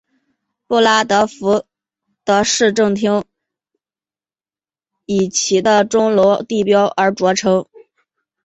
布拉德福德市政厅以其的钟楼地标而着称。